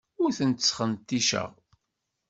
Ur tent-sxenticeɣ.